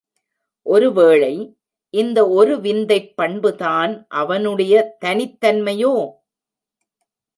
ஒரு வேளை, இந்த ஒரு விந்தைப்பண்புதான் அவனுடைய தனித் தன்மையோ?